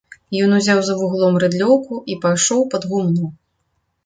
Ён узяў за вуглом рыдлёўку і пайшоў пад гумно.